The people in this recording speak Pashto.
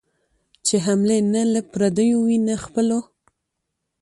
چي حملې نه له پردیو وي نه خپلو